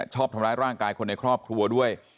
ชอบทำร้ายร่างกายคนในครอบครัวด้วย